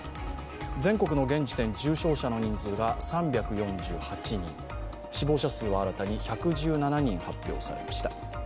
全国の現時点重症者の人数が３４８人死亡者数は新たに１１７人発表されました。